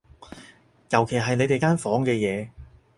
尤其係你哋間房嘅嘢